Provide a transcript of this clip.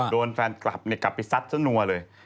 โดนแฟนกลับกลับไปซัดซะนัวเลย